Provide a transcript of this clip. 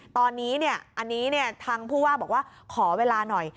ตอนนี้อันนี้ทางผู้ว่าบอกว่าขอเวลาหน่อย